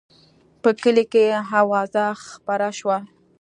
په کلي کې اوازه خپره شوه.